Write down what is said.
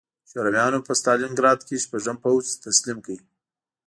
شورویانو په ستالینګراډ کې شپږم پوځ تسلیم کړ